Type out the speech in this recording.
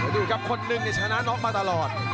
ดูครับคนหนึ่งชนะน็อกมาตลอด